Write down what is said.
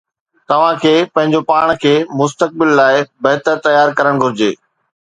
توهان کي پنهنجو پاڻ کي مستقبل لاءِ بهتر تيار ڪرڻ گهرجي